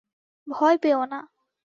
ভয় পেও না!